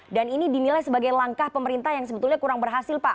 dan ini dinilai sebagai langkah pemerintah yang sebetulnya kurang berhasil pak